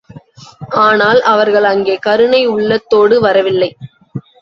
ஆனால், அவர்கள் அங்கே கருணை உள்ளத்தோடு வரவில்லை.